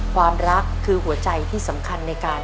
ความรักคือหัวใจที่สำคัญในการ